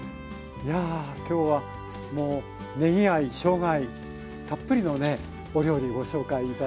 いや今日はもうねぎ愛・しょうが愛たっぷりのねお料理ご紹介頂きました。